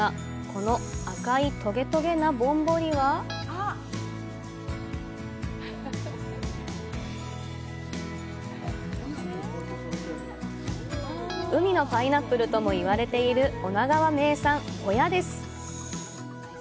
この赤いトゲトゲなボンボリは“海のパイナップル”とも言われている女川の名産、ホヤです！